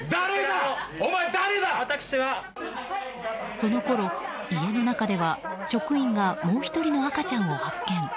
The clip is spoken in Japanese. そのころ、家の中では職員がもう１人の赤ちゃんを発見。